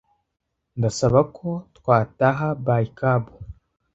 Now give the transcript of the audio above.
Ndasaba ko twataha by cab.